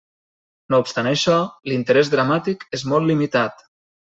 No obstant això, l'interès dramàtic és molt limitat.